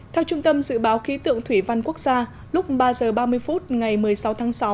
theo trung tâm dự báo khí tượng thủy văn quốc gia lúc ba h ba mươi phút ngày một mươi sáu tháng sáu